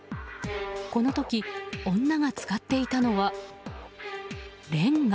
この時、女が使っていたのはレンガ。